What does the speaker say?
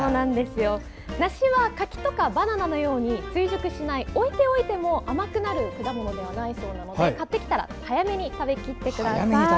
梨は柿とかバナナのように追熟しない、置いておいても甘くなる果物ではないので買ってきたら早めに食べきってください。